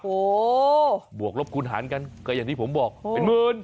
โอ้โหบวกลบคูณหารกันก็อย่างที่ผมบอกเป็นหมื่น